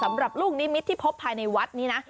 สำหรับลูกนิมิตที่พบภายในวัดนี้นะ